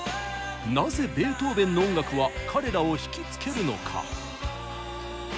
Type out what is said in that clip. なぜベートーベンの音楽は彼らをひきつけるのか。